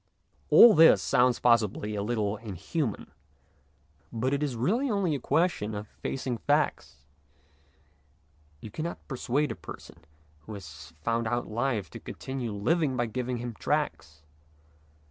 All this sounds possibly a little inhuman, but it is really only a question of facing facts. You cannot persuade a person who has found out life to continue living by giving him tracts.